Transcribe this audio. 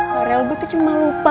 korel gue tuh cuma lupa